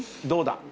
どうだ？